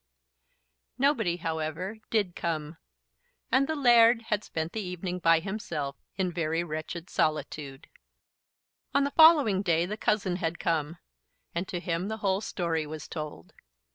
Nobody, however, did come, and the "laird" had spent the evening by himself in very wretched solitude. On the following day the cousin had come, and to him the whole story was told.